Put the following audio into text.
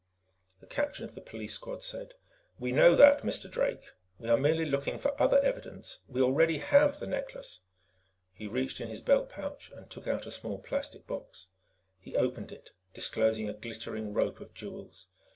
The captain of the police squad said: "We know that, Mr. Drake. We are merely looking for other evidence. We already have the necklace." He reached in his belt pouch and took out a small plastic box. He opened it, disclosing a glittering rope of jewels.